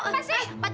kenapa itu pak